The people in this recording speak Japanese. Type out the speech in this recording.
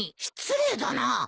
失礼だな。